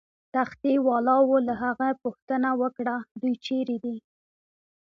تختې والاو له هغه پوښتنه وکړه: دوی چیرې دي؟